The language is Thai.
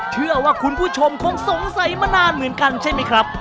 เชื่อว่าคุณผู้ชมคงสงสัยมานานเหมือนกันใช่ไหมครับ